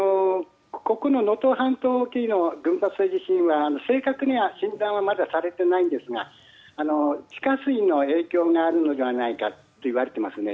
この能登半島沖の群発性地震は正確には診断はまだされていないんですが地下水の影響があるのではないかといわれていますね。